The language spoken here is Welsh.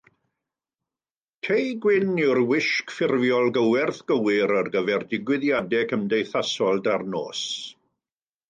Tei gwyn yw'r wisg ffurfiol gywerth gywir ar gyfer digwyddiadau cymdeithasol gyda'r nos.